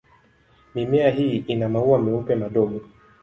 Mimea hii ina maua meupe madogo.